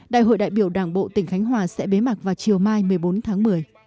đại hội đại biểu đảng bộ tỉnh khánh hòa sẽ bế mạc vào chiều mai một mươi bốn tháng một mươi